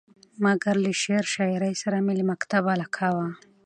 مګر له شعر شاعرۍ سره مې له مکتبه علاقه وه.